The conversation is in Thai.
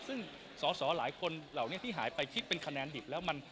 ซึ่งสอสอหลายคนเหล่านี้ที่หายไปคิดเป็นคะแนนดิบแล้วมัน